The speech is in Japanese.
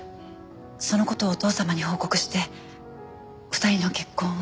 その事をお父様に報告して２人の結婚を。